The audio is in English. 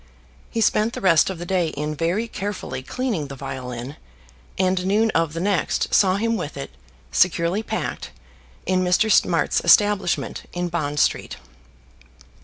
He spent the rest of the day in very carefully cleaning the violin, and noon of the next saw him with it, securely packed, in Mr. Smart's establishment in Bond Street.